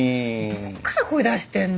どっから声出してんの？